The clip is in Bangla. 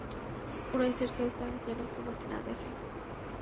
কুরাইশের কেউ যেন তোমাকে না দেখে।